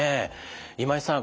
今井さん